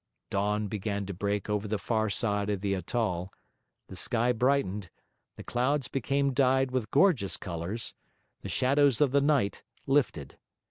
Dawn began to break over the far side of the atoll, the sky brightened, the clouds became dyed with gorgeous colours, the shadows of the night lifted.